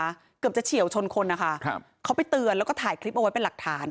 เกือบจะเฉียวชนคนนะคะครับเขาไปเตือนแล้วก็ถ่ายคลิปเอาไว้เป็นหลักฐาน